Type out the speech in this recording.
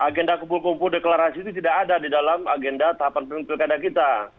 agenda kumpul kumpul deklarasi itu tidak ada di dalam agenda tahapan pemilu pilkada dua ribu dua puluh